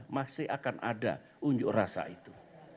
masih akan ada unjuk rasa itu